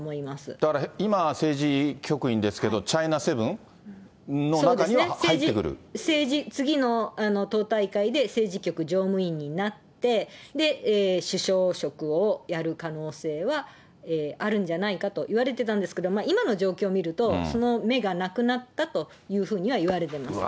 だから、いま政治局員ですけど、チャイナセブンの中には入っ政治、次の党大会で政治局常務委員になって、首相職をやる可能性はあるんじゃないかといわれてたんですけど、今の状況を見ると、その目がなくなったというふうにはいわれてます。